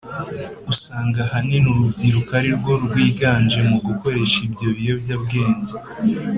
usanga ahanini urubyiruko ari rwo rwiganje mu gukoresha ibyo biyobyabwenge.